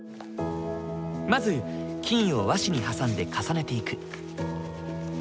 まず金を和紙に挟んで重ねていく。